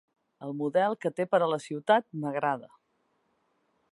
El model que té per a la ciutat m’agrada.